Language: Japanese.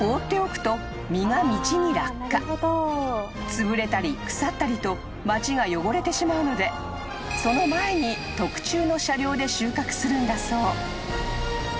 ［つぶれたり腐ったりと街が汚れてしまうのでその前に特注の車両で収穫するんだそう］